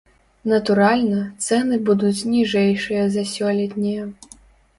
Натуральна, цэны будуць ніжэйшыя за сёлетнія.